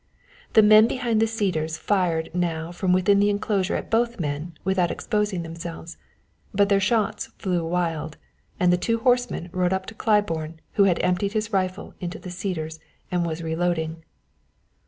The men behind the cedars fired now from within the enclosure at both men without exposing themselves; but their shots flew wild, and the two horsemen rode up to Claiborne, who had emptied his rifle into the cedars and was reloading.